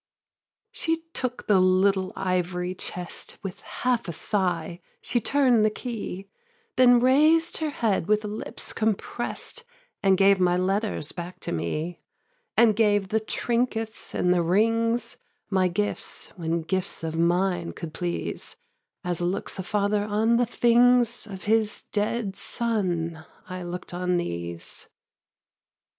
3. She took the little ivory chest, With half a sigh she turn'd the key, Then raised her head with lips comprest, And gave my letters back to me. And gave the trinkets and the rings, My gifts, when gifts of mine could please; As looks a father on the things Of his dead son, I look'd on these.